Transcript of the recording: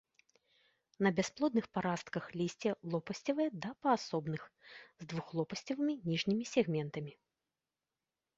На бясплодных парастках лісце лопасцевае да паасобных, з двухлопасцевымі ніжнімі сегментамі.